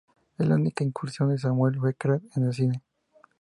Es la única incursión de Samuel Beckett en el cine.